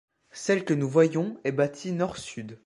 Celle que nous voyons est bâtie nord sud.